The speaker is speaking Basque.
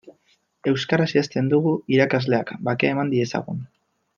Euskaraz idazten dugu irakasleak bakea eman diezagun.